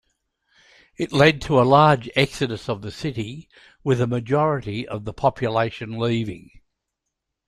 It led to a large exodus of the city, with a majority of the population leaving.